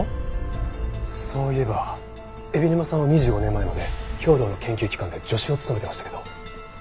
そういえば海老沼さんは２５年前まで兵働の研究機関で助手を務めていましたけど。